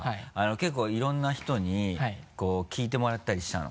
結構いろんな人に聞いてもらったりしたの？